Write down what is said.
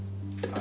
あ。